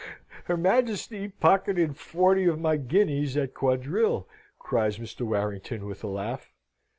"Her Majesty pocketed forty of my guineas at quadrille," cries Mr. Warrington, with a laugh.